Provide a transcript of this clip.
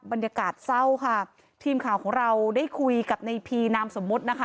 บรรยากาศเศร้าค่ะทีมข่าวของเราได้คุยกับในพีนามสมมุตินะคะ